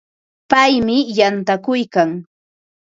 Paymi yantakuykan.